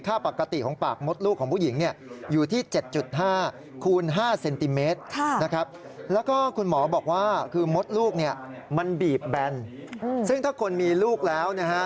ค่าปกติของปากมดลูกของผู้หญิงอยู่ที่๗๕คูณ๕เซนติเมตร